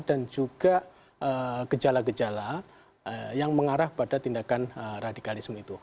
dan juga gejala gejala yang mengarah pada tindakan radikalisme itu